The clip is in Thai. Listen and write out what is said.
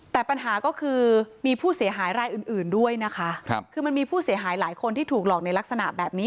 แต่ปัญหาก็คือมีผู้เสียหายรายอื่นอื่นด้วยนะคะคือมันมีผู้เสียหายหลายคนที่ถูกหลอกในลักษณะแบบนี้